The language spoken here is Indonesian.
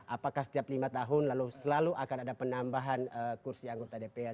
apakah setiap lima tahun lalu selalu akan ada penambahan kursi anggota dpr